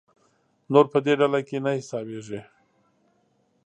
نور په دې ډله کې نه حسابېږي.